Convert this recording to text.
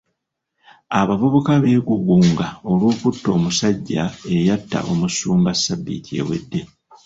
Abavubuka beegugunga olw'okuta omusajja eyatta omusumba ssabbiiti ewedde.